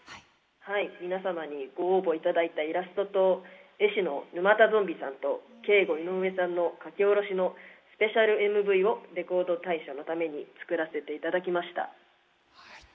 皆様にご応募いただいたイラストと、絵師の沼田ゾンビさんとケイゴイノウエさんの描き下ろしのスペシャルＭＶをレコード大賞のために作らせていただきました。